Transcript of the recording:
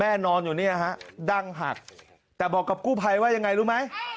อืมอืมอืมอืมอืม